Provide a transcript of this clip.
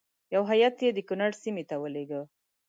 یو هیات یې د کنړ سیمې ته ولېږه.